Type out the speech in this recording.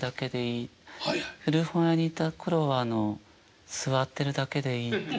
古本屋にいた頃は座ってるだけでいい。